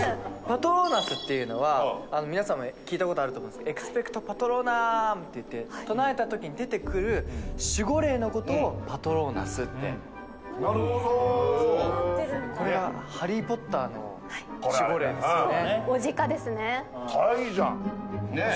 パトローナスっていうのは皆さんも聞いたことあると思うんですけどエクスペクト・パトローナムっていって唱えた時に出てくる守護霊のことをパトローナスってなるほどこれはハリー・ポッターの守護霊ですね雄鹿ですねかわいいじゃんねえ